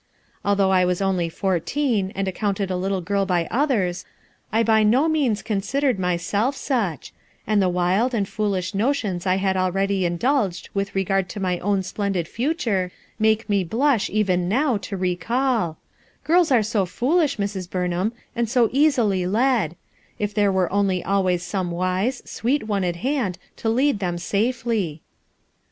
Although I was only fourteen and ac counted a little girl by others, I by no means cnnMderciI myself such; and the wild and fool* bit visions I had already indulged with regard to my own splendid future, make me MunIi even now to recall OirU are ho foolish, Mrs. Burn ham, and to easily ledl If there were only always wmio wise, awccI one at hand to lead them safely!"